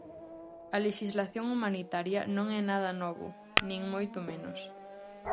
A lexislación humanitaria non é nada novo, nin moito menos.